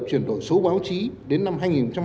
chuyển đổi số báo chí đến năm hai nghìn hai mươi năm